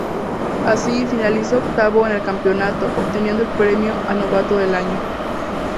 Así, finalizó octavo en el campeonato, obteniendo el premio a Novato del Año.